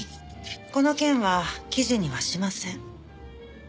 この件は記事にはしません。